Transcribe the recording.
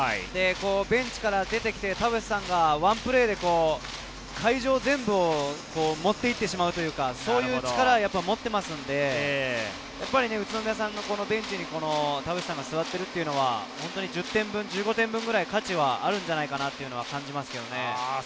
ベンチから出てきて田臥さんがワンプレーで会場全部を持っていってしまうというか、そういう力を持っていますので、宇都宮さんのベンチに田臥さんが座っているというのは１０点分、１５点分の価値はあるんじゃないかなと感じます。